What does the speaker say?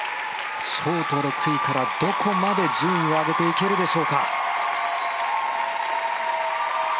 ショート６位からどこまで順位を上げていけるでしょうか。